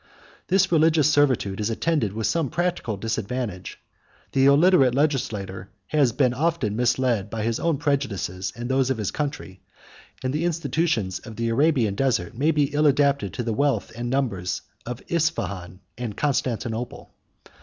This religious servitude is attended with some practical disadvantage; the illiterate legislator had been often misled by his own prejudices and those of his country; and the institutions of the Arabian desert may be ill adapted to the wealth and numbers of Ispahan and Constantinople.